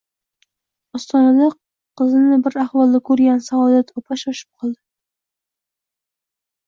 Ostonada qizini bir ahvolda ko`rgan Soadat opa shoshib qoldi